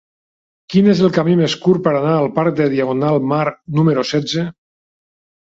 Quin és el camí més curt per anar al parc de Diagonal Mar número setze?